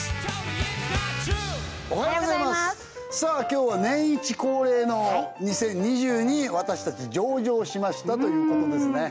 今日は年いち恒例の２０２２私たち上場しましたということですね